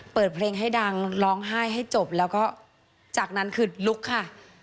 เปิดเพลงให้ดังร้องไห้ให้จบแล้วก็จากนั้นคือลุกค่ะ